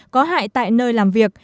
có hại tại nơi làm việc